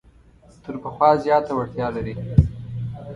تر پخوا زیاته وړتیا لري.